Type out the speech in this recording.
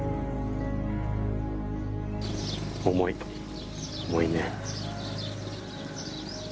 重い、重いね。